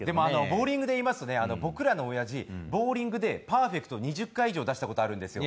ボウリングでいいますと僕らの親父ボウリングでパーフェクト２０回以上出したことあるんですよ。